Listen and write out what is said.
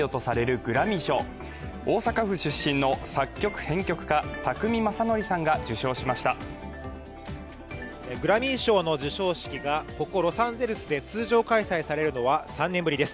グラミー賞の授賞式がここロサンゼルスで通常開催されるのは３年ぶりです。